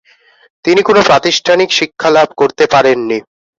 তিনি কোন প্রাতিষ্ঠানিক শিক্ষা লাভ করতে পারেননি।